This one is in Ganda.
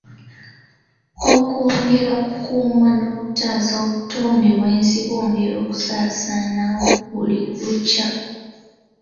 Okwongera okukuuma n’okutaasa obutonde bw’ensi obwongera okusaanawo buli lukya.